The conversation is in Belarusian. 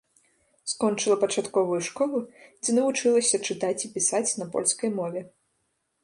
Скончыла пачатковую школу, дзе навучылася чытаць і пісаць на польскай мове.